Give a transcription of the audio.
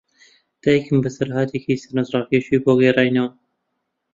دایکم بەسەرهاتێکی سەرنجڕاکێشی بۆ گێڕاینەوە.